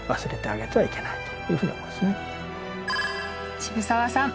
渋沢さん